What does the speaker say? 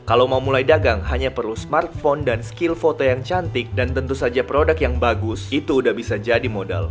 kalau mau mulai dagang hanya perlu smartphone dan skill foto yang cantik dan tentu saja produk yang bagus itu udah bisa jadi modal